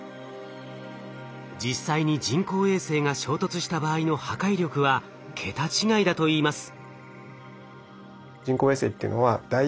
実際に人工衛星が衝突した場合の破壊力は桁違いだといいます。